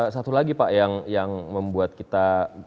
satu lagi pak yang membuat kita